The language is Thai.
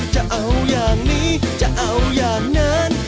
จะเอาอย่างนี้จะเอาอย่างนั้น